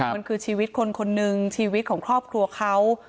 มันคือชีวิตคนคนหนึ่งชีวิตของครอบครัวเขา